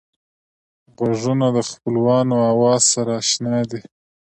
غوږونه د خپلوانو آواز سره اشنا دي